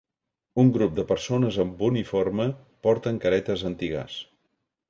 Un grup de persones amb uniforme porten caretes antigàs.